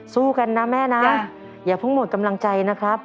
สู้กันนะแม่นะอย่าเพิ่งหมดกำลังใจนะครับ